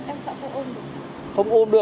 em sợ không ôn được